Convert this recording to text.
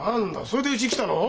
それでうち来たの？